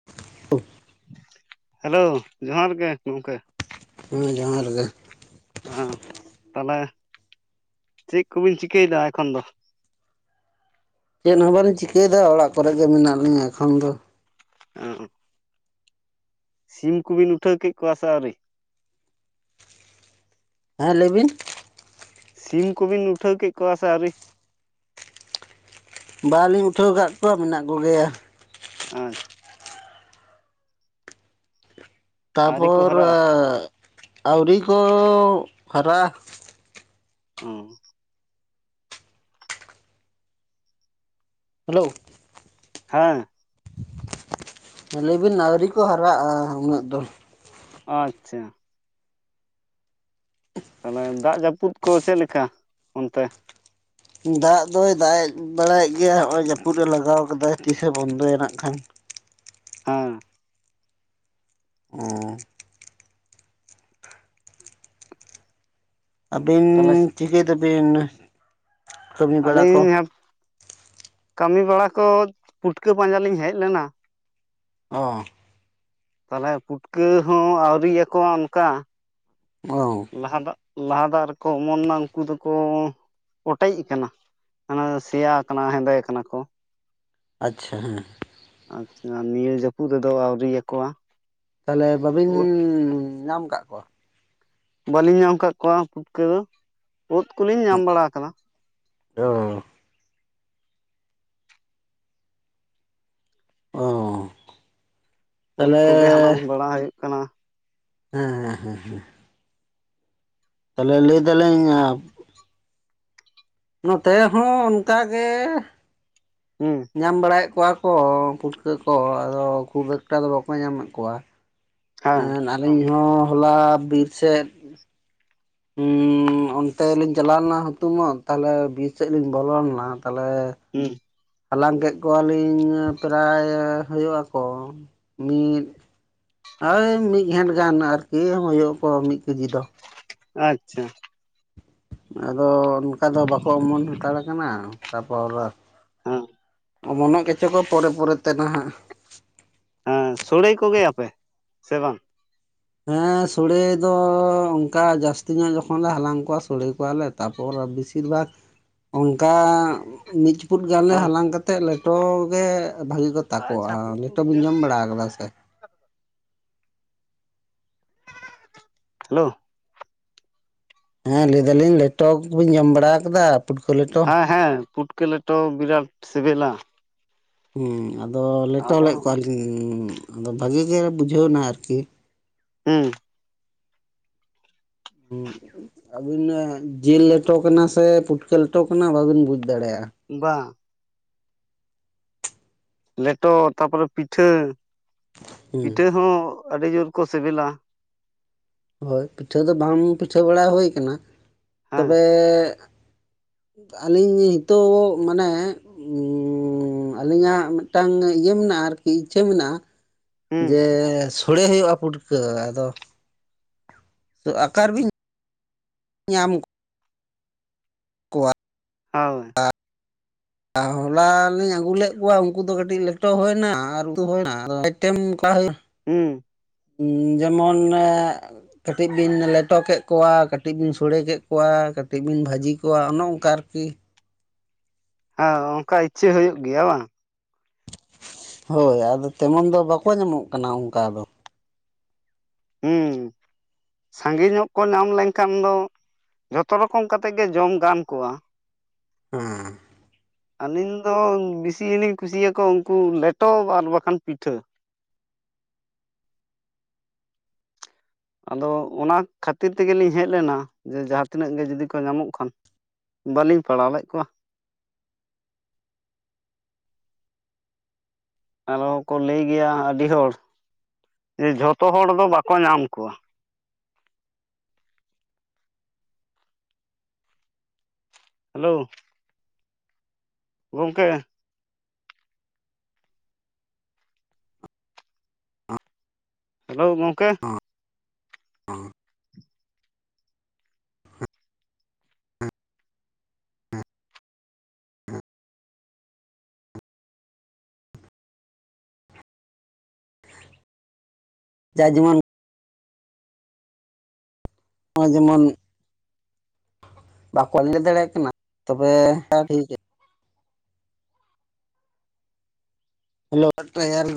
ᱪᱮᱫ ᱦᱚᱸ ᱵᱟᱝ ᱟᱸᱡᱚᱢ ᱴᱷᱟᱹᱣᱠᱟᱹᱜ ᱠᱟᱱᱟ ᱾ ᱦᱮᱞᱚ ᱡᱚᱦᱟᱨ ᱜᱮ ᱜᱚᱢᱠᱮ ᱦᱮᱸ ᱡᱚᱦᱟᱨ ᱜᱮ ᱚᱸ ᱛᱟᱦᱚᱞᱮ ᱪᱮᱫ ᱠᱚᱵᱤᱱ ᱪᱤᱠᱟᱹᱭᱮᱫᱟ ᱮᱠᱷᱚᱱ ᱫᱚ ᱪᱮᱫ ᱦᱚᱸ ᱵᱟᱹᱞᱤᱧ ᱪᱤᱠᱟᱹᱭᱮᱫᱟ ᱚᱲᱟᱜ ᱠᱚᱨᱮ ᱜᱮ ᱢᱮᱱᱟᱜ ᱞᱤᱧᱟ ᱮᱠᱷᱚᱱ ᱫᱚ ᱦᱚᱸ ᱥᱤᱢ ᱠᱚᱵᱤᱱ ᱩᱴᱷᱟᱹᱣ ᱠᱮᱫ ᱠᱚᱣᱟ ᱥᱮ ᱟᱹᱣᱨᱤ? ᱦᱮᱸ ᱞᱟᱹᱭ ᱵᱤᱱ ᱥᱤᱢ ᱠᱚᱵᱤᱱ ᱩᱴᱷᱟᱹᱣ ᱠᱮᱫ ᱠᱚᱣᱟ ᱥᱮ ᱟᱹᱣᱨᱤ ᱵᱟᱞᱤᱧ ᱩᱴᱷᱟᱹᱣ ᱟᱠᱟᱫ ᱠᱚᱣᱟ ᱢᱮᱱᱟᱜ ᱠᱚᱜᱮᱭᱟ᱾ ᱟᱪᱷᱟ ᱟᱹᱣᱨᱤ ᱠᱚ ᱛᱟᱯᱚᱨ ᱦᱟᱨᱟᱜᱼᱟ ᱟᱹᱣᱨᱤ ᱠᱚ ᱦᱟᱨᱟ ᱩᱸ ᱦᱮᱞᱳ ᱦᱮᱸ ᱾ ᱞᱟᱹᱭ ᱵᱤᱱ ᱟᱹᱣᱨᱤ ᱠᱚ ᱦᱟᱨᱟᱜᱼᱟ ᱩᱱᱟᱹᱜ ᱫᱚ ᱾ ᱟᱪᱪᱷᱟ ᱾ ᱛᱟᱦᱚᱞᱮ ᱫᱟᱜ ᱡᱟᱹᱯᱩᱫ ᱠᱚ ᱪᱮᱫ ᱞᱮᱠᱟ ᱚᱱᱛᱮ? ᱫᱟᱜ ᱫᱚᱭ ᱫᱟᱜ ᱮ ᱵᱟᱲᱟᱭᱮᱫ ᱜᱮᱭᱟ ᱦᱚᱜᱼᱚᱭ ᱡᱟᱹᱯᱩᱫ ᱮ ᱞᱟᱜᱟᱣ ᱟᱠᱟᱫᱟ, ᱛᱤᱥᱮ ᱵᱚᱱᱫᱚᱭᱟ ᱱᱟᱜ ᱠᱷᱟᱱ ᱾ ᱦᱮᱸ ᱾ ᱚ ᱾ ᱟᱹᱵᱤᱱ ᱛᱟᱦᱚᱞᱮ ᱪᱤᱠᱟᱹᱭ ᱫᱟᱵᱤᱱ? ᱠᱟᱹᱢᱤ ᱵᱟᱲᱟ ᱠᱚ ᱟᱹᱞᱤᱧ ᱠᱟᱹᱢᱤ ᱵᱟᱲᱟ ᱠᱚ, ᱯᱩᱴᱠᱟᱹ ᱯᱟᱸᱡᱟ ᱞᱤᱧ ᱦᱮᱡ ᱞᱮᱱᱟ ᱾ ᱚ ᱛᱟᱦᱚᱞᱮ ᱯᱩᱴᱠᱟᱹ ᱦᱚᱸ ᱟᱹᱣᱨᱤᱭᱟᱠᱚ ᱚᱱᱠᱟ ᱾ ᱚ ᱞᱟᱦᱟ ᱫᱟᱜ ᱞᱟᱦᱟ ᱫᱟᱜ ᱨᱮᱠᱚ ᱚᱢᱚᱱ ᱮᱱᱟ ᱩᱱᱠᱩ ᱫᱚᱠᱚ ᱚᱴᱮᱡ ᱟᱠᱟᱱᱟ ᱾ ᱚᱱᱟ ᱥᱮᱭᱟ ᱟᱠᱟᱱᱟ, ᱦᱮᱸᱫᱮ ᱠᱟᱱᱟ ᱠᱚ ᱾ ᱟᱪᱪᱷᱟ ᱦᱮᱸ ᱾ ᱟᱪᱪᱷᱟ, ᱱᱤᱭᱟᱹ ᱡᱟᱹᱯᱩᱫ ᱨᱮᱫᱚ ᱟᱹᱣᱨᱤᱭᱟᱠᱚᱣᱟ ᱾ ᱛᱟᱦᱚᱞᱮ ᱵᱟᱹᱵᱤᱱ ᱧᱟᱢ ᱟᱠᱟᱫ ᱠᱚᱣᱟ ᱾ ᱵᱟᱹᱞᱤᱧ ᱧᱟᱢ ᱟᱠᱟᱫ ᱠᱚᱣᱟ ᱯᱩᱴᱠᱟᱹ ᱫᱚ, ᱚᱛ ᱩᱫᱽ ᱠᱚᱞᱤᱧ ᱧᱟᱢ ᱵᱟᱲᱟ ᱟᱠᱟᱫᱟ ᱾ ᱚ ᱾ ᱚ ᱾ ᱩᱫ ᱠᱚᱜᱮ ᱦᱟᱞᱟᱝ ᱵᱟᱲᱟ ᱦᱩᱭᱩᱜ ᱠᱟᱱᱟ ᱾ ᱦᱮᱸ ᱦᱮᱸ ᱦᱮᱸ ᱦᱮᱸ ᱾ ᱛᱟᱦᱚᱞᱮ ᱞᱟᱹᱭ ᱫᱟᱞᱤᱧ ᱱᱚᱛᱮ ᱦᱚᱸ ᱚᱱᱠᱟ ᱜᱮ ᱾ ᱦᱩᱸ ᱾ ᱧᱟᱢ ᱵᱟᱲᱟᱭᱮᱫ ᱠᱚᱣᱟ ᱠᱚ ᱯᱷᱩᱴᱠᱟᱹ ᱠᱚ, ᱟᱫᱚ ᱠᱷᱩᱵ ᱮᱠᱴᱟ ᱫᱚ ᱵᱟᱠᱚ ᱧᱟᱢᱮᱫ ᱠᱚᱣᱟ ᱾ ᱦᱮᱸ ᱮᱸ ᱟᱹᱞᱤᱧ ᱦᱚᱸ ᱦᱚᱞᱟ ᱵᱤᱨ ᱥᱮᱫ ᱦᱩᱸ, ᱚᱱᱛᱮ ᱞᱤᱧ ᱪᱟᱞᱟᱣ ᱞᱮᱱᱟ ᱦᱩᱛᱩᱢᱚᱜ, ᱛᱟᱦᱚᱞᱮ ᱵᱤᱨ ᱥᱮᱫ ᱞᱤᱧ ᱵᱚᱞᱚ ᱞᱮᱱᱟ, ᱛᱟᱦᱚᱞᱮ ᱦᱩᱸ ᱾ ᱦᱟᱞᱟᱝ ᱠᱮᱫ ᱠᱚᱣᱟᱞᱤᱧ ᱯᱨᱟᱭ ᱦᱩᱭᱩᱜ ᱟᱠᱚ ᱢᱤᱫ ᱳᱭ ᱢᱤᱫ ᱜᱷᱮᱱᱸᱴ ᱜᱟᱱ ᱟᱨᱠᱤ, ᱦᱩᱭᱩᱜ ᱟᱠᱚ ᱢᱤᱫ ᱠᱮᱡᱤ ᱫᱚ ᱾ ᱟᱪᱪᱷᱟ ᱾ ᱟᱫᱚ ᱚᱱᱠᱟ ᱫᱚ ᱵᱟᱠᱚ ᱚᱢᱚᱱ ᱦᱟᱛᱟᱲ ᱟᱠᱟᱱᱟ, ᱛᱟᱯᱚᱨ ᱦᱮᱸ ᱚᱢᱚᱱᱚᱜ ᱜᱮ ᱪᱚ ᱠᱚ ᱯᱚᱨᱮ ᱯᱚᱨᱮ ᱛᱮ ᱱᱟᱦᱟᱜ ᱾ ᱦᱮᱸ, ᱥᱳᱲᱮ ᱠᱚ ᱜᱮᱭᱟ ᱯᱮ ᱥᱮ ᱵᱟᱝ! ᱦᱮᱸ, ᱥᱚᱲᱮ ᱫᱚ ᱚᱱᱠᱟ ᱡᱟᱹᱥᱛᱤ ᱧᱚᱜ ᱡᱚᱠᱷᱚᱱ ᱞᱮ ᱦᱟᱞᱟᱝ ᱠᱚᱣᱟ ᱥᱚᱲᱮ ᱠᱚᱣᱟᱞᱮ ᱾ ᱛᱟᱯᱚᱨ ᱵᱤᱥᱤᱨ ᱵᱷᱟᱜ ᱚᱱᱠᱟ ᱢᱤᱫ ᱪᱩᱯᱩᱫ ᱜᱟᱱ ᱞᱮ ᱦᱮᱸ ᱦᱟᱞᱟᱝ ᱠᱟᱛᱮ, ᱞᱮᱴᱚ ᱜᱮ ᱵᱷᱟᱹᱜᱤ ᱠᱚ ᱛᱟᱠᱚᱼᱟ ᱪᱷᱟᱹᱛᱩ ᱾ ᱞᱮᱴᱚ ᱵᱮᱱ ᱡᱚᱢ ᱵᱟᱲᱟ ᱟᱠᱟᱫᱟ ᱥᱮ? ᱦᱮᱞᱳ ᱾ ᱦᱮᱸ, ᱞᱟᱹᱭ ᱫᱟᱹᱞᱤᱧ ᱞᱮᱴᱚ ᱠᱚ ᱵᱮᱱ ᱡᱚᱢ ᱵᱟᱲᱟ ᱟᱠᱟᱫᱟ? ᱯᱩᱴᱠᱟᱹ ᱞᱮᱴᱚ ᱦᱮᱸ ᱦᱮᱸ, ᱯᱩᱴᱠᱟᱹ ᱞᱮᱴᱚ ᱵᱤᱨᱟᱴ ᱥᱤᱵᱤᱞᱟ ᱾ ᱦᱮᱸ, ᱟᱫᱚ ᱞᱮᱴᱚ ᱟᱫᱚ ᱞᱮᱫ ᱠᱚᱣᱟᱞᱤᱧ ᱟᱫᱚ ᱵᱷᱟᱹᱜᱤ ᱜᱮ ᱵᱩᱡᱷᱟᱹᱣᱱᱟ ᱟᱨᱠᱤ ᱾ ᱦᱩᱸ ᱾ ᱦᱩᱸ, ᱟᱹᱵᱤᱱ ᱡᱤᱞ ᱞᱮᱴᱚ ᱠᱟᱱᱟ ᱥᱮ ᱯᱩᱴᱠᱟᱹ ᱞᱮᱴᱚ ᱠᱟᱱᱟ ᱵᱟᱵᱤᱱ ᱵᱩᱡ ᱫᱟᱲᱮᱭᱟᱜᱼᱟ ᱾ ᱵᱟᱝ ᱾ ᱞᱮᱴᱚ ᱛᱟᱯᱚᱨᱮ ᱯᱤᱴᱷᱟᱹ, ᱦᱮᱸ ᱯᱤᱴᱷᱟᱹ ᱦᱚᱸ ᱟᱹᱰᱤ ᱡᱳᱨ ᱠᱚ ᱥᱤᱵᱤᱞᱟ ᱾ ᱦᱳᱭ, ᱯᱤᱴᱷᱟᱹ ᱫᱚ ᱵᱟᱝ ᱯᱤᱴᱷᱟᱹ ᱵᱟᱲᱟ ᱦᱩᱭ ᱠᱟᱱᱟ ᱾ ᱦᱮᱸ ᱛᱚᱵᱮ ᱟᱹᱞᱤᱧ ᱱᱤᱛᱚᱜ ᱢᱟᱱᱮ ᱩᱸ ᱟᱹᱞᱤᱧᱟᱜ ᱢᱤᱫᱴᱟᱝ ᱤᱭᱟᱹ ᱢᱮᱱᱟᱜᱼᱟ, ᱟᱨᱠᱤ ᱤᱪᱪᱷᱟᱹ ᱢᱮᱱᱟᱜᱼᱟ ᱾ ᱦᱩᱸ ᱡᱮ ᱥᱚᱲᱮ ᱦᱩᱭᱩᱜᱼᱟ ᱯᱩᱴᱠᱟᱹ, ᱟᱫᱚ ᱟᱠᱟᱨᱵᱤᱱ ᱧᱟᱢ ᱠᱚ- ᱠᱚᱣᱟ ᱦᱳᱜ [unintelligible] ᱦᱚᱞᱟ ᱞᱤᱧ ᱟᱹᱜᱩ ᱞᱮᱫ ᱠᱚᱣᱟ ᱩᱱᱠᱩ ᱫᱚ ᱠᱟᱹᱴᱤᱡ ᱞᱮᱴᱚ ᱦᱩᱭᱱᱟ ᱟᱨ ᱩᱛᱩ ᱦᱩᱭᱱᱟ ᱞᱭᱴᱮᱢ ᱚᱱᱠᱟ ᱦᱩᱭᱱᱟ ᱦᱩᱸ [inaudible] ᱡᱮᱢᱚᱱᱹᱦᱮ ᱠᱟᱹᱴᱤᱡ ᱵᱤᱱ ᱞᱮᱴᱚ ᱠᱮᱫ ᱠᱚᱣᱟ ᱠᱟᱹᱴᱤᱡ ᱵᱤᱱ ᱥᱚᱲᱮ ᱠᱮᱫ ᱠᱚᱣᱟ ᱠᱟᱹᱴᱤᱡ ᱵᱤᱱ ᱵᱷᱟᱹᱡᱤ ᱠᱚᱣᱟ ᱚᱱᱮ ᱚᱱᱠᱟ ᱟᱨ ᱠᱤ ᱦᱮᱸ ᱚᱱᱠᱟ ᱤᱪᱷᱟᱹ ᱦᱩᱭᱩᱜ ᱜᱮᱭᱟ ᱵᱟᱝ ᱦᱳᱭ ᱟᱫᱚ ᱛᱮᱢᱚᱱ ᱫᱚ ᱵᱟ-ᱠᱚ ᱧᱟᱢᱚᱜ ᱠᱟᱱᱟ ᱚᱱᱠᱟ ᱫᱚ ᱦᱩᱸ ᱾ ᱥᱟᱸᱜᱮ ᱧᱚᱜ ᱠᱚ ᱧᱟᱢ ᱞᱮᱱᱠᱷᱟᱱ ᱫᱚ, ᱡᱷᱚᱛᱚ ᱨᱚᱠᱚᱢ ᱠᱟᱛᱮ ᱜᱮ ᱡᱚᱢ ᱜᱟᱱ ᱠᱚᱣᱟ ᱾ [unintelligible] ᱟᱹᱞᱤᱧ ᱫᱚ ᱵᱤᱥᱤᱞᱤᱧ ᱠᱩᱥᱤᱹᱭᱟᱠᱚᱣᱟ ᱩᱱᱠᱩ ᱞᱮᱴᱚ ᱟᱨ ᱵᱟᱠᱷᱟᱱ ᱯᱤᱴᱷᱟᱹ ᱟᱫᱚ ᱚᱱᱟ ᱠᱷᱟᱹᱛᱤᱨ ᱛᱮᱜᱮᱞᱤᱧ ᱦᱮᱡ ᱞᱮᱱᱟ ᱡᱮ ᱡᱟᱦᱟᱸᱛᱤᱱᱟᱹᱜ ᱜᱮ ᱡᱩᱫᱤ ᱠᱚ ᱧᱟᱢᱚᱜ ᱠᱷᱟᱱ ᱵᱟᱹᱞᱤᱧ ᱯᱟᱲᱟᱣ ᱞᱮᱫ ᱠᱚᱣᱟᱜ ᱟᱨᱚᱠᱚ ᱞᱟᱹᱭ ᱜᱮᱭᱟ ᱟᱹᱰᱤ ᱦᱚᱲ ᱡᱮ ᱡᱷᱚᱛᱚ ᱦᱚᱲ ᱫᱚ ᱵᱟᱠᱚ ᱧᱟᱢ ᱠᱚᱣᱟᱹᱜ ᱦᱮᱞᱳ ᱜᱚᱝᱠᱮ ᱦᱮᱞᱳ ᱜᱚᱝᱠᱮ [inaudible] ᱡᱟ‌ ᱡᱮᱢᱚᱱ ᱦᱚᱸᱜᱚᱭ ᱡᱮᱢᱚᱱ ᱵᱟᱠᱚᱞ ᱞᱟᱹᱭ ᱫᱟᱲᱮᱭᱟᱜ ᱠᱟᱱᱟ ᱛᱚᱵᱮ ᱴᱷᱤᱠ [unintelligible] ᱦᱮᱞᱚ [unintelligible]